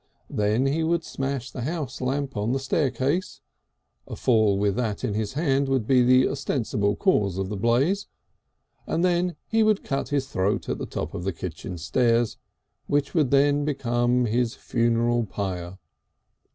Then he would smash the house lamp on the staircase, a fall with that in his hand was to be the ostensible cause of the blaze, and then he would cut his throat at the top of the kitchen stairs, which would then become his funeral pyre.